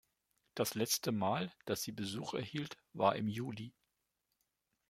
Das letzte Mal, dass sie Besuch erhielt, war im Juli.